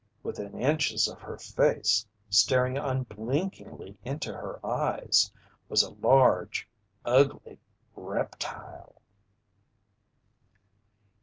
Within inches of her face, staring unblinkingly into her eyes, was a large, ugly reptile!